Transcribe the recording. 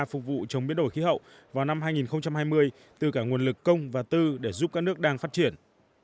phục vụ chống biến đổi khí hậu vào năm hai nghìn hai mươi từ cả nguồn lực công và tư để giúp các nước đang phát triển